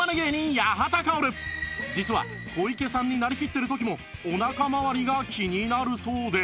実は小池さんになりきっている時もおなかまわりが気になるそうで